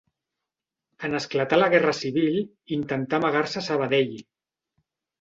En esclatar la Guerra Civil, intentà amagar-se a Sabadell.